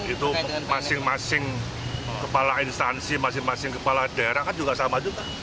itu masing masing kepala instansi masing masing kepala daerah kan juga sama juga